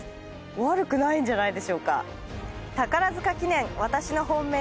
悪くないんじゃないでしょうか。